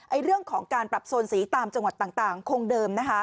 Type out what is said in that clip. เรื่องของการปรับโซนสีตามจังหวัดต่างคงเดิมนะคะ